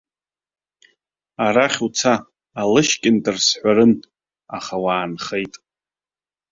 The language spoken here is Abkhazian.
Арахь уца, алашькьынтыр, сҳәарын, аха уаанхеит!